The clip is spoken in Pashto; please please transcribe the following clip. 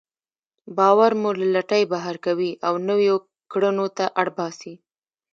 باور مو له لټۍ بهر کوي او نويو کړنو ته اړ باسي.